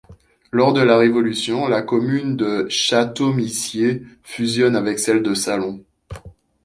Lors de la Révolution, la commune de Châteaumissier fusionne avec celle de Salon.